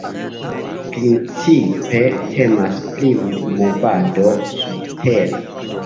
Principe temas pri movado "subtera".